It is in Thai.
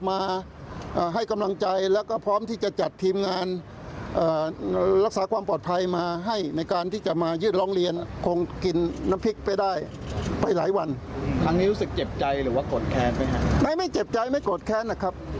ไม่เจ็บใจไม่โกรธแค้นนะครับ